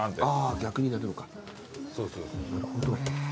逆になるのか。